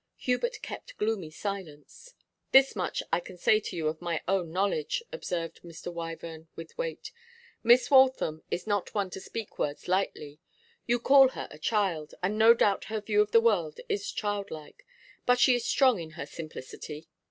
Hubert kept gloomy silence. 'Thus much I can say to you of my own knowledge,' observed Mr. Wyvern with weight. 'Miss Waltham is not one to speak words lightly. You call her a child, and no doubt her view of the world is childlike; but she is strong in her simplicity.